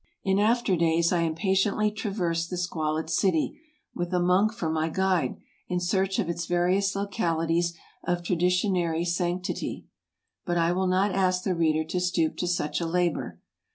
In after days I impatiently traversed the squalid city, with a monk for my guide, in search of its various localities of traditionary sanctity; but I will not ask the reader to stoop to such a labor.